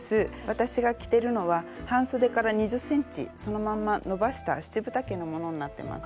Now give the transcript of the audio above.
私が着てるのは半そでから２０ｃｍそのまんまのばした七分丈のものになってます。